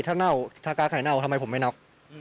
ถ้าก๊าสไข่เน่าทำไมผมไม่น็อก